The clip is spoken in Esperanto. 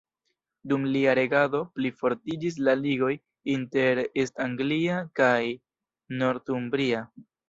Dum lia regado plifortiĝis la ligoj inter East Anglia kaj Northumbria.